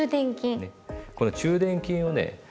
この中臀筋をね